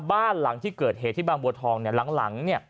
บ้านหลังที่เกิดเหตุที่บางบัวทองเนี่ยหลัง